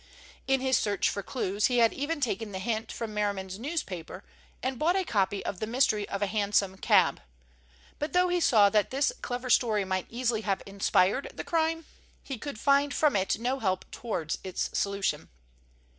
In his search for clues he had even taken the hint from Merriman's newspaper and bought a copy of The Mystery of a Hansom Cab, but though he saw that this clever story might easily have inspired the crime, he could find from it no help towards its solution.